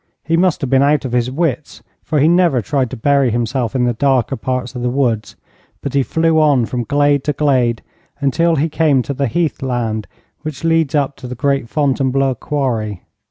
He must have been out of his wits, for he never tried to bury himself in the darker parts of the woods, but he flew on from glade to glade, until he came to the heath land which leads up to the great Fontainebleau quarry.